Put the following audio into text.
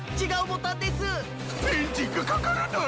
エンジンがかからない！